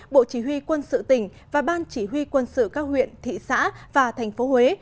bộ chỉ huy quân sự tỉnh và ban chỉ huy quân sự các huyện thị xã và thành phố huế